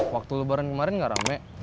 waktu lebaran kemarin nggak rame